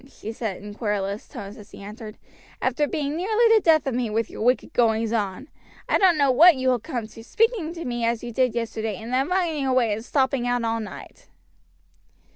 she said in querulous tones as he entered, "after being nearly the death of me with your wicked goings on! I don't know what you will come to, speaking to me as you did yesterday, and then running away and stopping out all night."